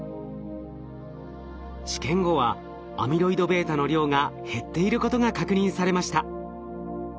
治験後はアミロイドβの量が減っていることが確認されました。